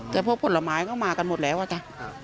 แต่พวกผลไม้ก็มากันหมดแล้วอะจ๊ะ